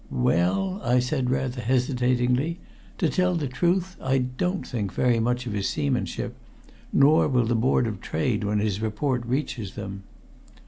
"Well," I said rather hesitatingly, "to tell the truth, I don't think very much of his seamanship nor will the Board of Trade when his report reaches them."